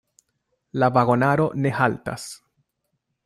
La vagonaro ne haltas.